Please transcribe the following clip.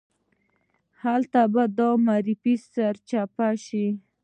هلته به دا معرفي سرچپه شوه.